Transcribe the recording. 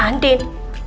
kakaknya udah kebun